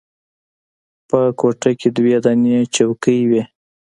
په کوټه کښې دوې دانې چوکۍ وې.